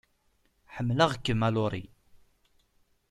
Ḥemmleɣ-kem a Laurie.